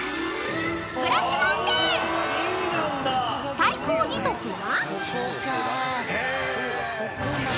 ［最高時速は］